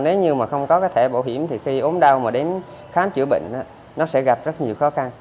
nếu như mà không có cái thẻ bảo hiểm thì khi ốm đau mà đến khám chữa bệnh nó sẽ gặp rất nhiều khó khăn